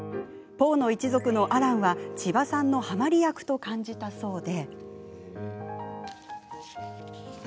「ポーの一族」のアランは千葉さんのはまり役と感じたそうで。